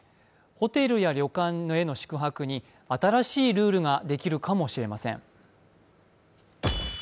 ホテルや旅館への宿泊に新しいルールができるかもしれません。